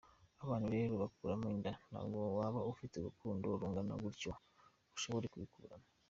Abantu rero bakuramo inda, ntabwo waba ufite urukundo rungana gutyo ngo ushobore kuyikuramo.